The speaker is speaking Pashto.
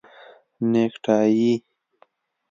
👔 نیکټایې